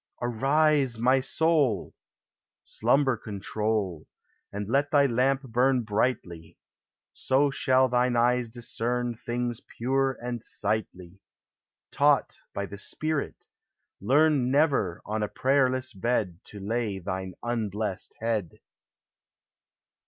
Arouse, my soul! Slumber control, And let thy lamp burn brightly; So shall thine eyes discern Things pure and sightly; Taught by the Spirit, learn Never on a prayerless bed To lay thine unblest head.